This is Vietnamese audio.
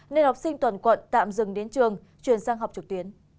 nên học sinh toàn quận tạm dừng đến trường chuyển sang học trực tuyến